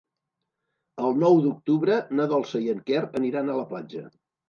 El nou d'octubre na Dolça i en Quer aniran a la platja.